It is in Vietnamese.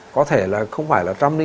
có thể là không phải là một trăm linh ba